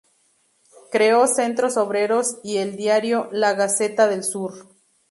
Creó centros obreros y el diario "La Gaceta del Sur".